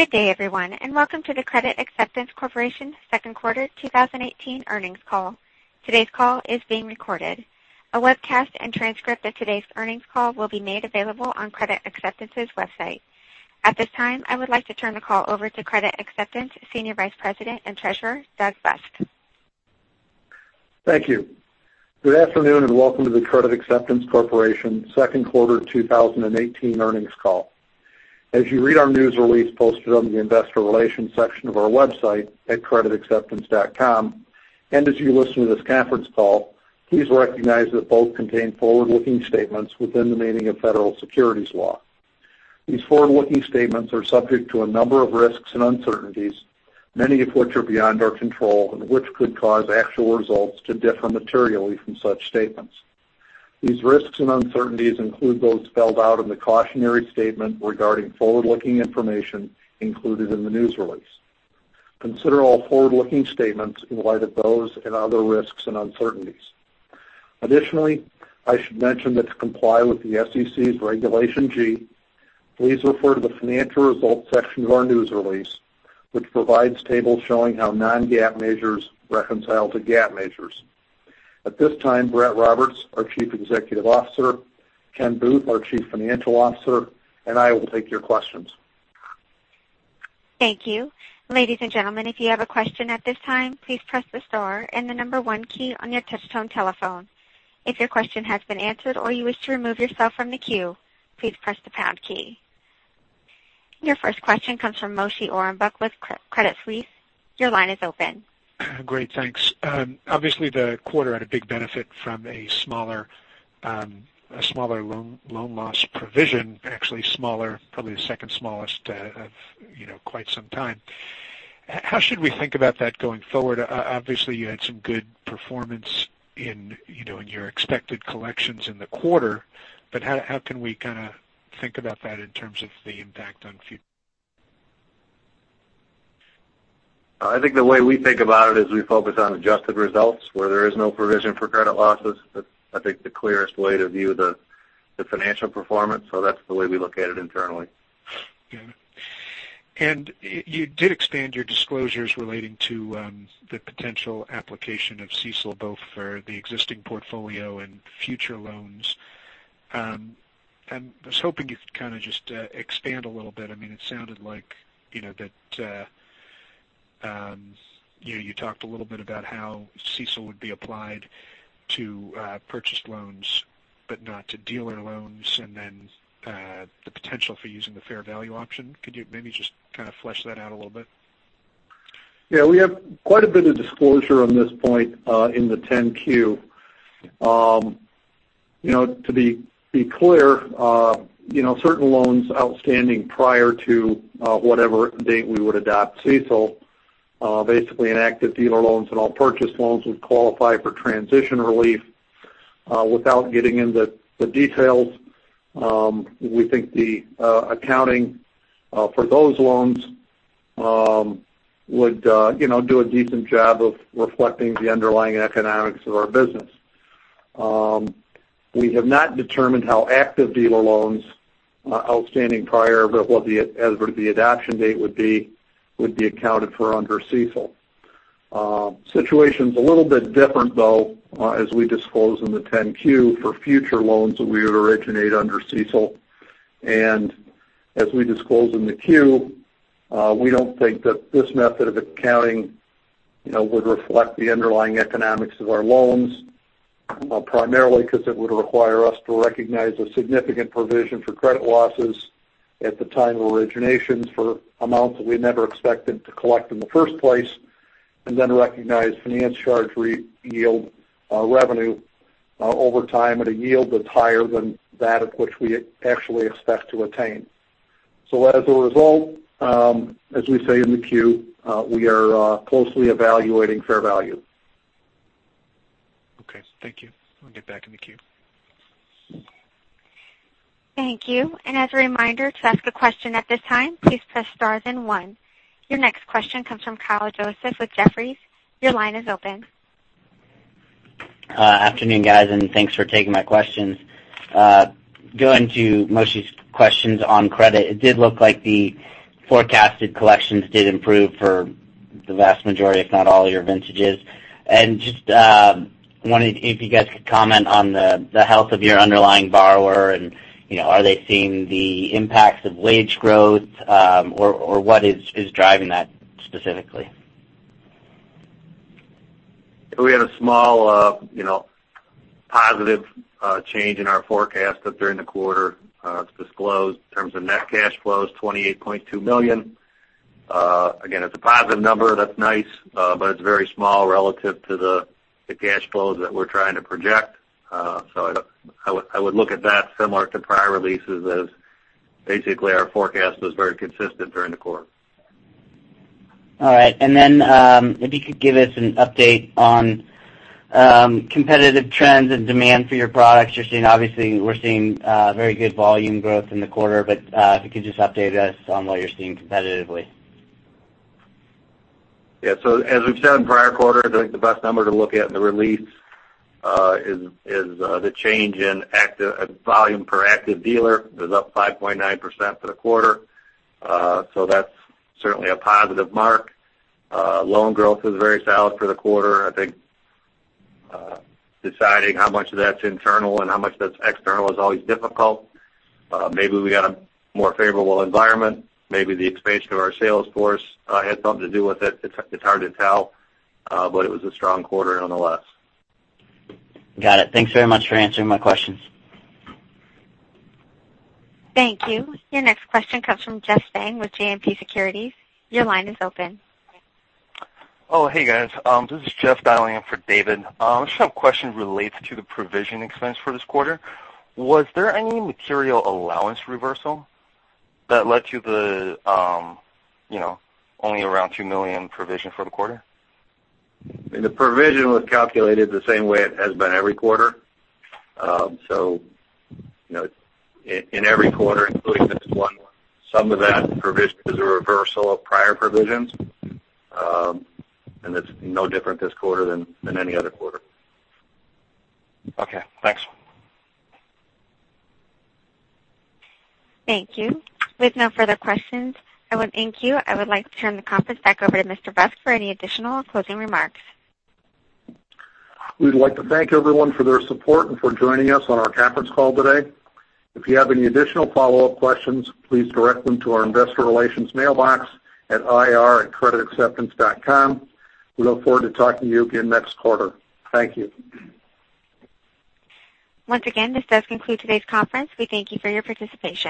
Good day, everyone, and welcome to the Credit Acceptance Corporation second quarter 2018 earnings call. Today's call is being recorded. A webcast and transcript of today's earnings call will be made available on Credit Acceptance's website. At this time, I would like to turn the call over to Credit Acceptance Senior Vice President and Treasurer, Doug Busk. Thank you. Good afternoon, and welcome to the Credit Acceptance Corporation second quarter 2018 earnings call. As you read our news release posted on the investor relations section of our website at creditacceptance.com, and as you listen to this conference call, please recognize that both contain forward-looking statements within the meaning of federal securities law. These forward-looking statements are subject to a number of risks and uncertainties, many of which are beyond our control and which could cause actual results to differ materially from such statements. These risks and uncertainties include those spelled out in the cautionary statement regarding forward-looking information included in the news release. Consider all forward-looking statements in light of those and other risks and uncertainties. Additionally, I should mention that to comply with the SEC's Regulation G, please refer to the financial results section of our news release, which provides tables showing how non-GAAP measures reconcile to GAAP measures. At this time, Brett Roberts, our Chief Executive Officer, Ken Booth, our Chief Financial Officer, and I will take your questions. Thank you. Ladies and gentlemen, if you have a question at this time, please press the star and the number one key on your touch-tone telephone. If your question has been answered or you wish to remove yourself from the queue, please press the pound key. Your first question comes from Moshe Orenbuch with Credit Suisse. Your line is open. Great, thanks. Obviously, the quarter had a big benefit from a smaller loan loss provision. Actually smaller, probably the second smallest of quite some time. How should we think about that going forward? Obviously, you had some good performance in your expected collections in the quarter, but how can we kind of think about that in terms of the impact on future? I think the way we think about it is we focus on adjusted results where there is no provision for credit losses. That's, I think, the clearest way to view the financial performance. That's the way we look at it internally. Got it. You did expand your disclosures relating to the potential application of CECL, both for the existing portfolio and future loans. I was hoping you could kind of just expand a little bit. It sounded like that you talked a little bit about how CECL would be applied to purchased loans but not to dealer loans, and then the potential for using the fair value option. Could you maybe just kind of flesh that out a little bit? Yeah. We have quite a bit of disclosure on this point, in the 10-Q. To be clear, certain loans outstanding prior to whatever date we would adopt CECL. Basically, inactive dealer loans and all purchase loans would qualify for transition relief. Without getting into the details, we think the accounting for those loans would do a decent job of reflecting the underlying economics of our business. We have not determined how active dealer loans outstanding prior, but what the adoption date would be accounted for under CECL. Situation's a little bit different, though, as we disclose in the 10-Q for future loans that we would originate under CECL. As we disclose in the Q, we don't think that this method of accounting would reflect the underlying economics of our loans, primarily because it would require us to recognize a significant provision for credit losses at the time of originations for amounts that we never expected to collect in the first place, and then recognize finance charge yield revenue over time at a yield that's higher than that of which we actually expect to attain. As a result, as we say in the Q, we are closely evaluating fair value. Okay, thank you. I'll get back in the queue. Thank you. As a reminder, to ask a question at this time, please press star then one. Your next question comes from Kyle Joseph with Jefferies. Your line is open. Afternoon, guys, thanks for taking my questions. Going to Moshe's questions on credit, it did look like the forecasted collections did improve for the vast majority, if not all, of your vintages. Just wondering if you guys could comment on the health of your underlying borrower and are they seeing the impacts of wage growth? What is driving that specifically? We had a small positive change in our forecast during the quarter. It is disclosed in terms of net cash flows, $28.2 million. Again, it is a positive number. That is nice. It is very small relative to the cash flows that we are trying to project. I would look at that similar to prior releases as basically our forecast was very consistent during the quarter. All right. If you could give us an update on competitive trends and demand for your products. Obviously, we are seeing very good volume growth in the quarter, if you could just update us on what you are seeing competitively. Yeah. As we have said in prior quarters, I think the best number to look at in the release is the change in volume per active dealer. It was up 5.9% for the quarter. That is certainly a positive mark. Loan growth was very solid for the quarter. I think deciding how much of that is internal and how much that is external is always difficult. Maybe we got a more favorable environment. Maybe the expansion of our sales force had something to do with it. It is hard to tell. It was a strong quarter nonetheless. Got it. Thanks very much for answering my questions. Thank you. Your next question comes from David Scharf with JMP Securities. Your line is open. Hey, guys. This is Jeff dialing in for David. I just have a question related to the provision expense for this quarter. Was there any material allowance reversal that led to the only around $2 million provision for the quarter? The provision was calculated the same way it has been every quarter. In every quarter, including this one, some of that provision is a reversal of prior provisions. It's no different this quarter than any other quarter. Okay, thanks. Thank you. With no further questions, I want to thank you. I would like to turn the conference back over to Mr. Busk for any additional closing remarks. We'd like to thank everyone for their support and for joining us on our conference call today. If you have any additional follow-up questions, please direct them to our investor relations mailbox at ir@creditacceptance.com. We look forward to talking to you again next quarter. Thank you. Once again, this does conclude today's conference. We thank you for your participation.